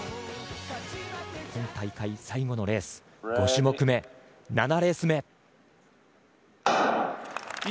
今大会最後のレース５種目目７レース目。